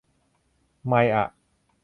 ไมอ่ะ